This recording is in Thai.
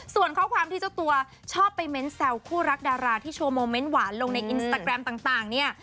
ส่วนข้อความที่เจ้าตัวชอบไปเม้นแซวคู่รักดาราที่โชว์โมเมนต์หวานลงในอินสตาแกรมต่างเนี่ย